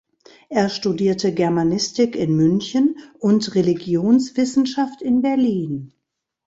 Er studierte Germanistik in München und Religionswissenschaft in Berlin.